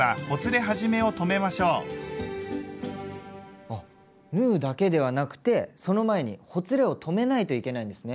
まずはあ縫うだけではなくてその前にほつれを止めないといけないんですね？